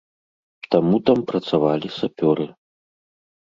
Таму там працавалі сапёры.